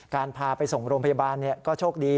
พาไปส่งโรงพยาบาลก็โชคดี